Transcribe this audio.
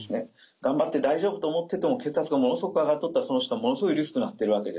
頑張って大丈夫と思ってても血圧がものすごく上がっとったらその人はものすごいリスクになってるわけです。